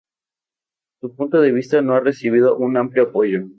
Su punto de vista no ha recibido un amplio apoyo.